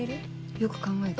よく考えて。